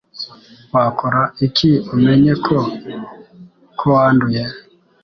Wakora iki umenyeko ko wanduye